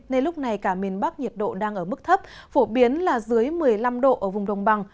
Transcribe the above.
nên lúc này cả miền bắc nhiệt độ đang ở mức thấp phổ biến là dưới một mươi năm độ ở vùng đồng bằng